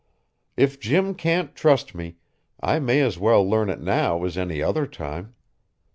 If Jim can't trust me, I may as well learn it now as any other time.